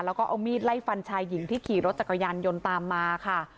แล้วก็เอามีดไล่ฟันชายหญิงที่ขี่รถจักรยานยนต์ตามมาค่ะ